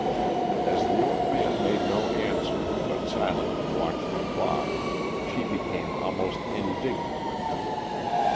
As the old man made no answer but silently watched the clock, she became almost indignant with him.